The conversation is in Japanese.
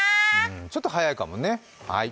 ちょっと早いかもね。